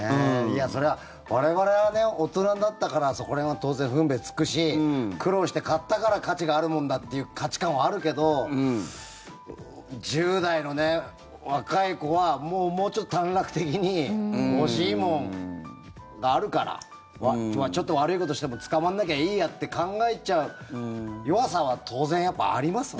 それは、我々は大人になったからそこら辺は当然、分別つくし苦労して買ったから価値があるもんだっていう価値観はあるけど１０代の若い子はもうちょっと短絡的に欲しいものがあるからちょっと悪いことしても捕まらなきゃいいやって考えちゃう弱さは当然ありますよね。